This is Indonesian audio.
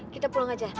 kita pulang aja